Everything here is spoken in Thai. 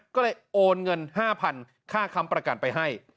ก็เลยโอนเงิน๕๐๐๐ค่าค้ำประกันไปให้